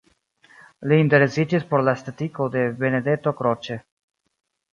Li interesiĝis por la estetiko de Benedetto Croce.